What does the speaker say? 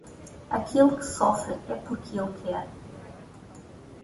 Aquele que sofre é porque ele quer.